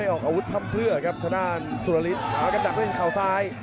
อาวุธทำเพื่อครับทะนานสุรริสเอากำดับด้วยข่าวซ้าย